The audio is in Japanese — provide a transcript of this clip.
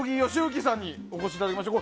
理亨さんにお越しいただきました。